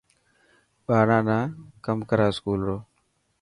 ٻاران نا ڪم ڪرا اسڪول رو.